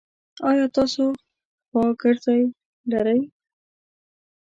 ایا تاسو خواګرځی لری؟